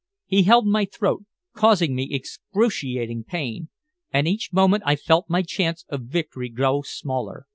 He held my throat, causing me excruciating pain, and each moment I felt my chance of victory grow smaller.